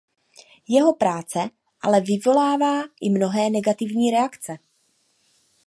Jeho práce ale vyvolává i mnohé negativní reakce.